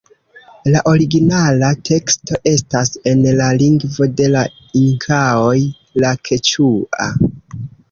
La originala teksto estas en la lingvo de la Inkaoj la keĉua.